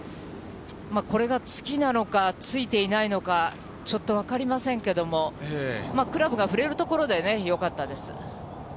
これがつきなのか、ついていないのか、ちょっと分かりませんけれども、クラブが振れる所でね、よかったです。